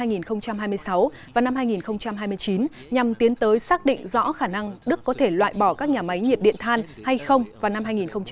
năm hai nghìn hai mươi sáu và năm hai nghìn hai mươi chín nhằm tiến tới xác định rõ khả năng đức có thể loại bỏ các nhà máy nhiệt điện than hay không vào năm hai nghìn ba mươi